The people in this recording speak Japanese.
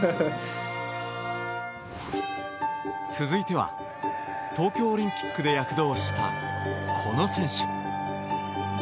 続いては東京オリンピックで躍動した、この選手。